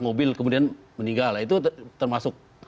mobil kemudian meninggal itu termasuk